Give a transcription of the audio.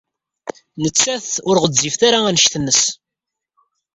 Nettat ur ɣezzifet ara anect-nnes.